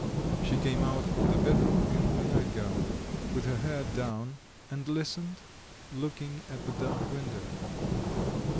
She came out from the bedroom in her nightgown, with her hair down, and listened, looking at the dark window.